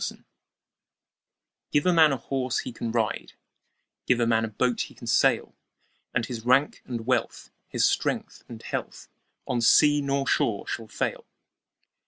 Gifts GIVE a man a horse he can ride, Give a man a boat he can sail; And his rank and wealth, his strength and health, On sea nor shore shall fail.